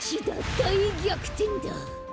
だいぎゃくてんだ！